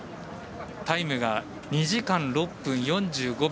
タイムが２時間６分４５秒。